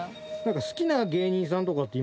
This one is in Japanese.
好きな芸人さんとかっていますか？